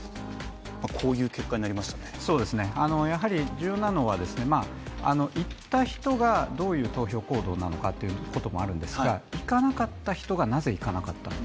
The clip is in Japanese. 重要なのは、行った人がどういう投票行動なのかというのもあるんですが行かなかった人が、なぜ行かなかったのか。